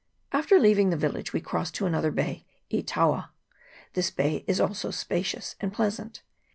After leaving the village we crossed to another bay, E Taua. This bay also is spacious and pleasant.